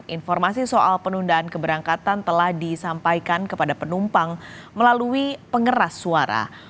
informasi soal penundaan keberangkatan telah disampaikan kepada penumpang melalui pengeras suara